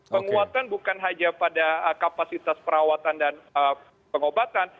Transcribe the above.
penguatan bukan hanya pada kapasitas perawatan dan pengobatan